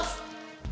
ya anak nih